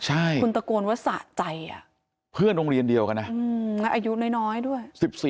ใช่คุณตะโกนว่าสะใจเพื่อนโรงเรียนเดียวกันนะแล้วอายุน้อยด้วย๑๔